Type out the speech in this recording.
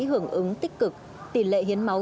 hưởng ứng tích cực tỷ lệ hiến máu